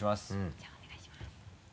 じゃあお願いします。